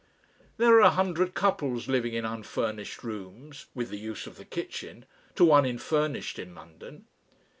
There are a hundred couples living in unfurnished rooms (with "the use of the kitchen") to one in furnished in London.